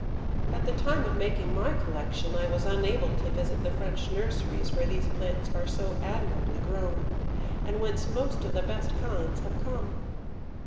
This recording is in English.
At the time of making my collection I was unable to visit the French nurseries where these plants are so admirably grown, and whence most of the best kinds have come.